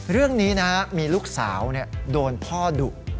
เรื่องนี้นะมีลูกสาวโดนพ่อดุ